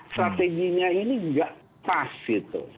strateginya ini nggak pas gitu